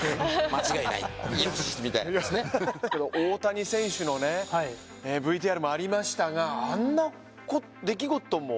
大谷選手のＶＴＲもありましたがあんな出来事も。